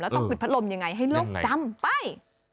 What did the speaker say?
ต้องปิดพัดลมยังไงให้โลกจำไป